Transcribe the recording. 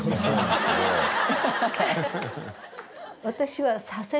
私は。